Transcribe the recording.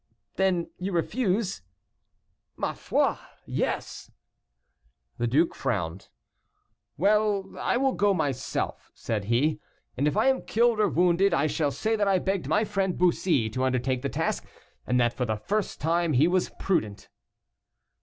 "Then you refuse?" "Ma foi! yes." The duke frowned. "Well, I will go myself," said he, "and if I am killed or wounded, I shall say that I begged my friend Bussy to. undertake the task, and that for the first time he was prudent."